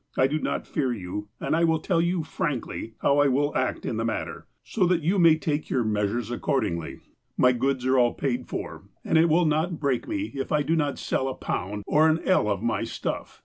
I do not fear you, and I will tell you frankly how I will act in the matter, so that you may take your measures ac 180 THE APOSTLE OF ALASKA cordingly. My goods are all paid for, and it will not break me if I do not sell a i)ound or an ell of my stuff.